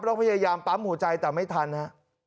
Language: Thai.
แล้วก็พยายามปั๊มหัวใจแต่ไม่ทันครับ